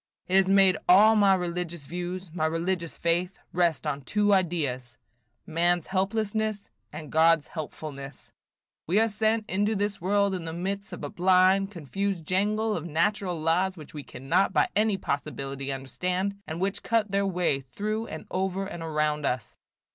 "It has made all my religious views, my religious faith, rest on two ideas, – man's helplessness, and God's helpfulness. We are sent into this world in the midst of a blind, confused jangle of natural laws, which we cannot by any possibility understand, and which cut their way through and over and around us.